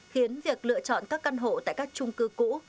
khiến việc lựa chọn các căn hộ tại các trung cư cũ